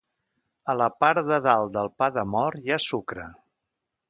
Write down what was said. A la part de dalt del pa de mort hi ha sucre.